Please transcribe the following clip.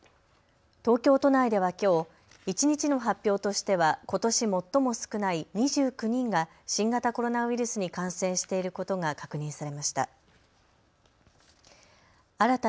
東京都内ではきょう、一日の発表としてはことし最も少ない２９人が新型コロナウイルスに感染していることが確認されました。